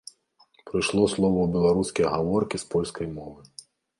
Прыйшло слова ў беларускія гаворкі з польскай мовы.